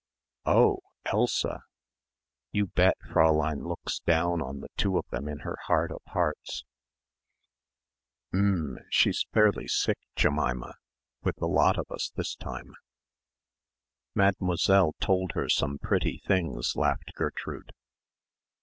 "Oh! Elsa." "You bet Fräulein looks down on the two of them in her heart of hearts." "M'm she's fairly sick, Jemima, with the lot of us this time." "Mademoiselle told her some pretty things," laughed Gertrude.